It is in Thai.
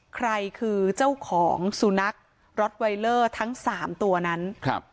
ใครคือเจ้าของสุนัขทั้งสามตัวนั้นครับ